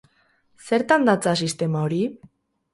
Zertan datza sistema hori?